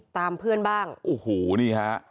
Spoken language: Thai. ตามเพื่อนบ้างโอ้โหนี่ฮะ